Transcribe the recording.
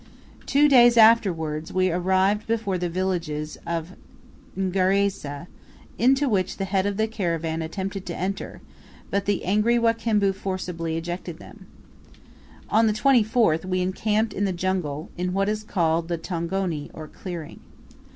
Two days afterwards we arrived before the village of Ngaraisa, into which the head of the caravan attempted to enter but the angry Wakimbu forcibly ejected them. On the 24th, we encamped in the jungle, in what is called the "tongoni," or clearing.